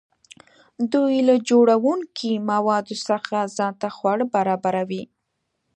دوی له جوړونکي موادو څخه ځان ته خواړه برابروي.